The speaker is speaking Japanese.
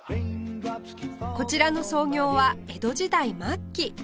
こちらの創業は江戸時代末期